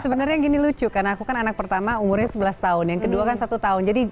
sebenarnya gini lucu karena aku kan anak pertama umurnya sebelas tahun yang kedua kan satu tahun